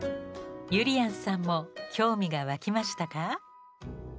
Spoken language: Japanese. ゆりやんさんも興味が湧きましたか？